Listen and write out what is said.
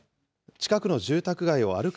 近くの住宅街を歩く